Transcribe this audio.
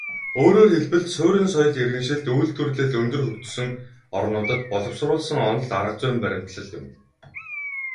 Өөрөөр хэлбэл, суурин соёл иргэншилт, үйлдвэрлэл өндөр хөгжсөн орнуудад боловсруулсан онол аргазүйн баримтлал юм.